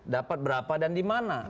dapat berapa dan dimana